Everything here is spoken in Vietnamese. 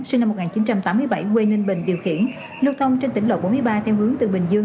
sinh năm một nghìn chín trăm tám mươi bảy quê ninh bình điều khiển lưu thông trên tỉnh lộ bốn mươi ba theo hướng từ bình dương